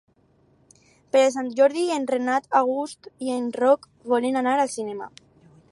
Per Sant Jordi en Renat August i en Roc volen anar al cinema.